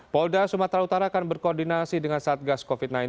polda sumatera utara akan berkoordinasi dengan satgas covid sembilan belas